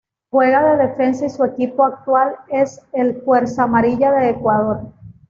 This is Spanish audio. Juega de Defensa y su equipo actual es el Fuerza Amarilla de Ecuador.